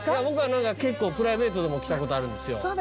僕は結構プライベートでも来たことあるんですよ。